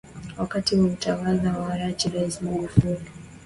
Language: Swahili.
wakati wa utawala wa hayati raisi Magufuli